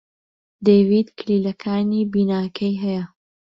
دەیڤد کلیلەکانی بیناکەی هەیە.